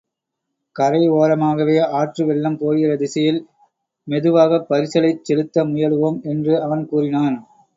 கரை ஓரமாகவே ஆற்று வெள்ளம் போகிற திசையில் மெதுவாகப் பரிசலைச் செலுத்த முயலுவோம் என்று அவன் கூறினான்.